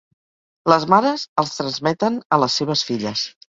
Les mares els transmeten a les seves filles.